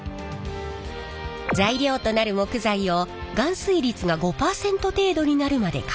材料となる木材を含水率が５％程度になるまで乾燥させます。